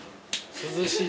涼しい。